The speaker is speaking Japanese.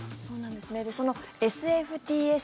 そのＳＦＴＳ